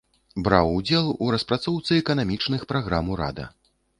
Браў удзел у распрацоўцы эканамічных праграм урада.